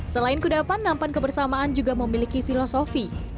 selain kudapan nampan kebersamaan juga memiliki filosofi